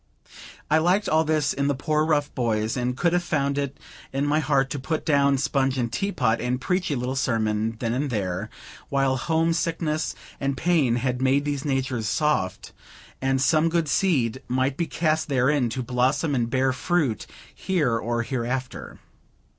I liked all this in the poor, rough boys, and could have found it in my heart to put down sponge and tea pot, and preach a little sermon then and there, while homesickness and pain had made these natures soft, that some good seed might be cast therein, to blossom and bear fruit here or hereafter.